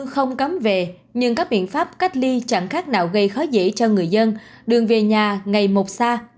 không cắm về nhưng các biện pháp cách ly chẳng khác nào gây khó dễ cho người dân đường về nhà ngày một xa